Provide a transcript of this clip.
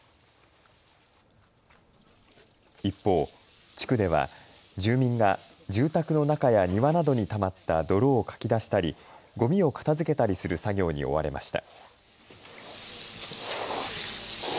一方、地区では住民が住宅の中や庭などにたまった泥をかき出したりごみを片づけたりする作業に追われました。